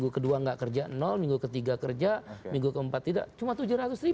kedua gak kerja minggu ketiga kerja minggu keempat tidak cuma rp tujuh ratus